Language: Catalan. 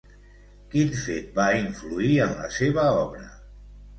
Quin fet va influir en la seva obra?